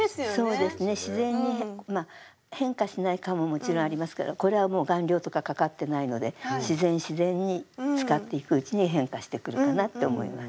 自然に変化しない革ももちろんありますけどこれはもう顔料とかかかってないので自然自然に使っていくうちに変化してくるかなって思います。